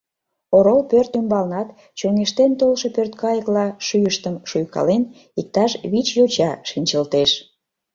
Орол пӧрт ӱмбалнат, чоҥештен толшо пӧрткайыкла шӱйыштым шуйкален, иктаж вич йоча шинчылтеш.